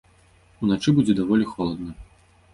Уначы будзе даволі холадна.